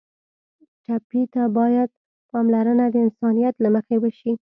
ټپي ته باید پاملرنه د انسانیت له مخې وشي.